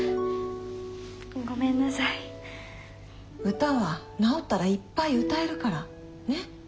歌は治ったらいっぱい歌えるから。ね？